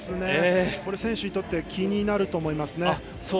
選手にとっては気になると思いますね。